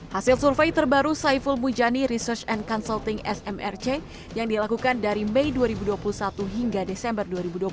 hasil survei terbaru saiful mujani research and consulting smrc yang dilakukan dari mei dua ribu dua puluh satu hingga desember dua ribu dua puluh satu